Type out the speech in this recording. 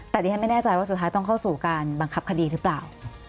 แต่ดิฉันไม่แน่ใจว่าสุดท้ายต้องเข้าสู่การบังคับคดีหรือเปล่า